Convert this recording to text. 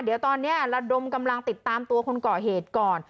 เดี๋ยวตอนนี้ระดมกำลังติดตามตัวคนก่อเหตุก่อน